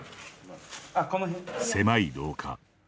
狭い廊下。